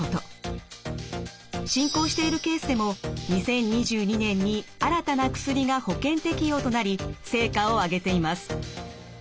進行しているケースでも２０２２年に新たな薬が保険適用となり成果をあげています。